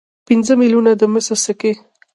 پنځه میلیونه د مسو سکې.